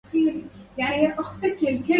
كان فاضل محظوظا بالنّجو بحياته.